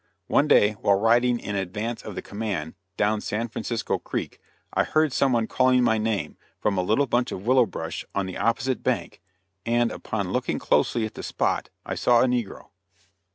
One day, while riding in advance of the command, down San Francisco Creek, I heard some one calling my name from a little bunch of willow brush on the opposite bank, and, upon looking closely at the spot, I saw a negro.